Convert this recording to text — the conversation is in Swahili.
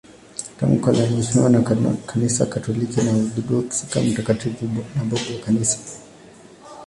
Tangu kale anaheshimiwa na Kanisa Katoliki na Waorthodoksi kama mtakatifu na babu wa Kanisa.